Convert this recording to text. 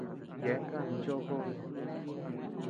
Yeabean kanii jichoʼo jobe.